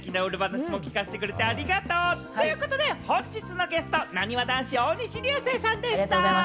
ステキな裏話も聞かせてくれてありがとう！ということで、本日のゲスト、大西流星さんでした！